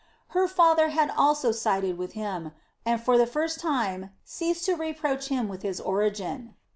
Her father had also sided with him, and for the first time ceased to reproach him with his origin.